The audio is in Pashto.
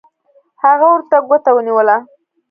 هغه ورته ګوته ونیوله